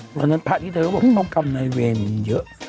เพราะฉะนั้นภาพที่เธอบอกว่าเจ้ากรรมนายเวรเยอะ